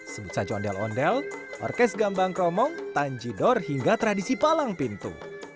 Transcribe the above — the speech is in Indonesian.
sebut saja ondel ondel orkes gambang kromong tanjidor hingga tradisi palang pintu